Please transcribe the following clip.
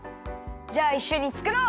じゃあいっしょにつくろう！